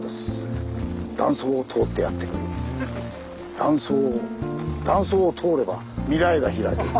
断層を断層を通れば未来が開ける。